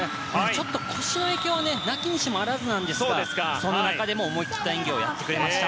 ちょっと腰の影響がなきにしもあらずですからその中でも思い切った演技をやってくれました。